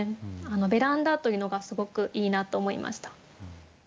「ベランダ」というのがすごくいいなと思いました。